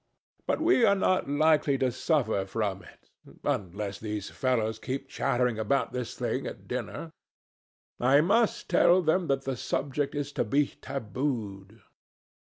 But we are not likely to suffer from it unless these fellows keep chattering about this thing at dinner. I must tell them that the subject is to be tabooed.